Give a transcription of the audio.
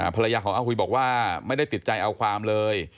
ภรรยาของอาหุยบอกว่าไม่ได้ติดใจเอาความเลย